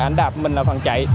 anh đạp mình là vận chạy